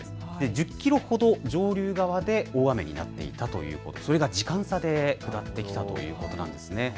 １０キロほど上流側で大雨になっていたということ、それが時間差でということなんです。